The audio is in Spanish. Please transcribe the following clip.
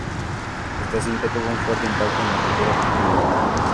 Esta cinta tuvo un fuerte impacto en la cultura popular.